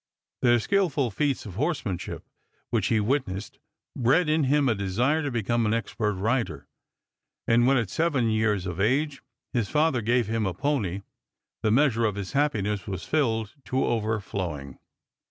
Their skillful feats of horsemanship, which he witnessed, bred in him a desire to become an expert rider, and when, at seven years of age, his father gave him a pony the measure of his happiness was filled to overflowing.